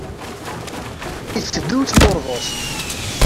Iteddu, ittmuṛḍus.